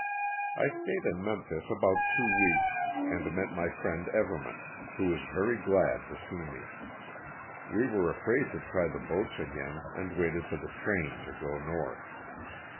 I stayed in Memphis about two weeks and met my friend Everman, who was very glad to see me. We were afraid to try the boats again and waited for the train to go North.